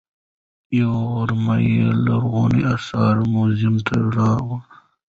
یوه غرمه یې لرغونو اثارو موزیم ته لاړ.